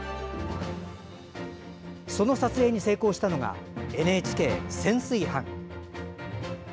その撮影に成功したのがＮＨＫ潜水班。